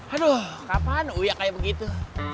aduh kapan uya kayak begitu